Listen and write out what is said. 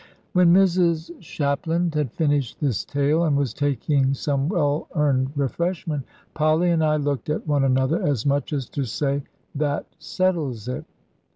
When Mrs Shapland had finished this tale, and was taking some well earned refreshment, Polly and I looked at one another, as much as to say, "That settles it."